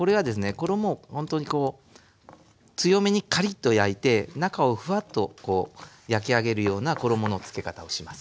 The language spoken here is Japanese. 衣をほんとにこう強めにカリッと焼いて中をフワッと焼き上げるような衣のつけ方をします。